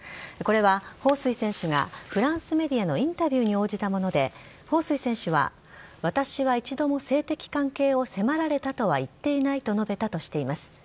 これは彭帥選手が、フランスメディアのインタビューに応じたもので、彭帥選手は、私は一度も性的関係を迫られたとは言っていないと述べたとしています。